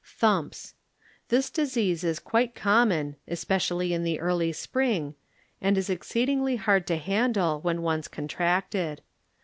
Thumps.ŌĆö This disease is quite com mon (especially in the early sprtng) anil is exceedii^ly hard to handle when once contracted.